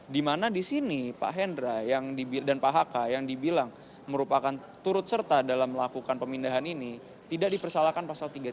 dimana di sini pak hendra dan pak haka yang dibilang merupakan turut serta dalam melakukan pemindahan ini tidak dipersalahkan pasal tiga puluh